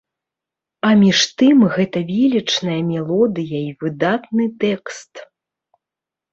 А між тым, гэта велічная мелодыя і выдатны тэкст.